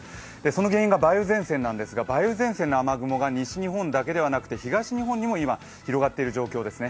その原因が梅雨前線なんですが梅雨前線の雨雲が西日本だけではなくて東日本にも今、広がっている状況です。